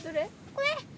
これ？